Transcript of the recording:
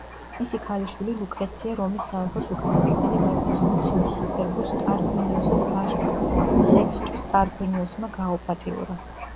მისი ქალიშვილი ლუკრეცია რომის სამეფოს უკანასკნელი მეფის ლუციუს სუპერბუს ტარკვინიუსის ვაჟმა სექსტუს ტარკვინიუსმა გააუპატიურა.